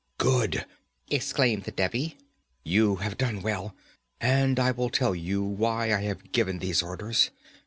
'Good!' exclaimed the Devi. 'You have done well. And I will tell you why I have given these orders.